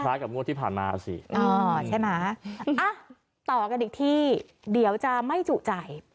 กับวันคล้ายกับวันที่ผ่านมาสิอ๋อใช่มะอ่ะต่อกันอีกที่เดี๋ยวจะไม่จุใจ